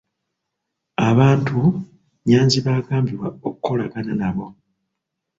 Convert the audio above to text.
Abantu, Nyanzi b'agambibwa okukolagana nabo.